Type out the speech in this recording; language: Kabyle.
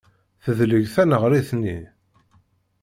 Tedleg taneɣrit-nni.